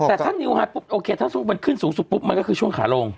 แต่ถ้านิวไฮปุ๊บโอเคถ้าสู้มันขึ้นสูงสุดปุ๊บมันก็คือช่วงขาลง